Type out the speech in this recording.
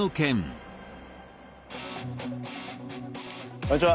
こんにちは。